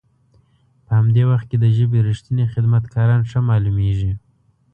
په همدي وخت کې د ژبې رښتني خدمت کاران ښه مالومیږي.